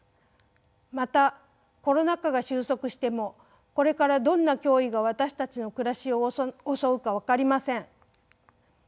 またコロナ禍が収束してもこれからどんな脅威が私たちの暮らしを襲うか分かりません。